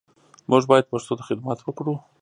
موږ باید پښتو ته خدمت وکړو